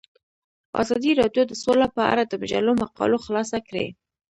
ازادي راډیو د سوله په اړه د مجلو مقالو خلاصه کړې.